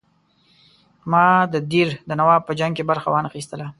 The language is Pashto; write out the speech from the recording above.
ما د دیر د نواب په جنګ کې برخه وانه خیستله.